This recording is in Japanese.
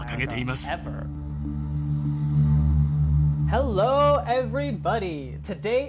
ハローエブリバディ。